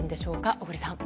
小栗さん。